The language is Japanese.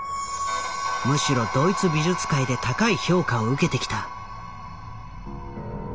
むしろドイツ美術界で高い評価を受けてきた。